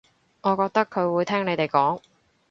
我覺得佢會聽你哋講